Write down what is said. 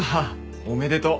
おめでとう。